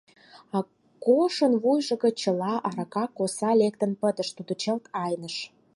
Акошын вуйжо гыч чыла арака коса лектын пытыш, тудо чылт айныш.